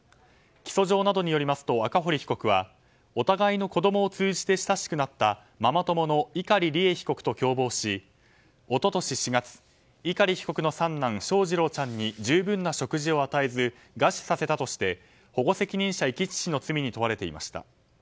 起訴状などによりますと赤堀被告はお互いの子供を通じて親しくなったママ友の碇利恵被告と共謀し一昨年４月、碇被告の三男翔士郎ちゃんに十分な食事を与えず餓死させたとして保護責任者遺棄致死の罪に問われていました。